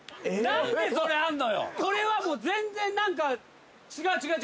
これはもう全然何か違う違う違う。